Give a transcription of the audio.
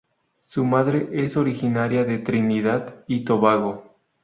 Su madre es originaria de Trinidad y Tobago.